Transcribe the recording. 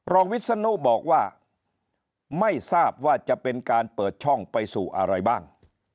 วิศนุบอกว่าไม่ทราบว่าจะเป็นการเปิดช่องไปสู่อะไรบ้าง